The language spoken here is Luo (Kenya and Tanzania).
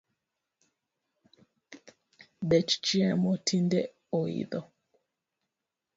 Bech chiemo tinde oidho